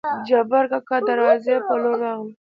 جبارکاکا دې دروازې په لور راغلو.